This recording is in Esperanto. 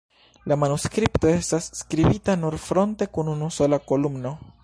La manuskripto estas skribita nur fronte kun unusola kolumno.